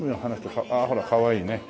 ああほらかわいいね。